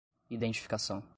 identificação